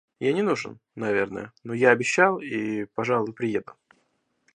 Я не нужен, наверное, но я обещал и, пожалуй, приеду.